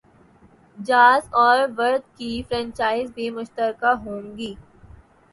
jazz اور وارد کی franchise بھی مشترکہ ہوں گی